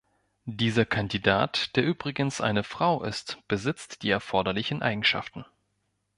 Dieser Kandidat der übrigens eine Frau ist besitzt die erforderlichen Eigenschaften.